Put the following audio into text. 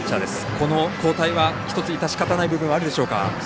この交代は一つ致し方ない部分はあるでしょうか。